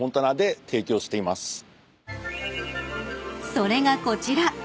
［それがこちら］